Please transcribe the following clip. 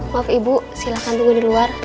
maaf ibu silahkan tunggu di luar